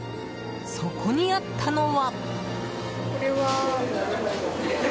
そこにあったのは。